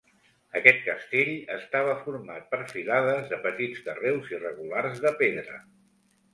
Aquest castell estava format per filades de petits carreus irregulars de pedra.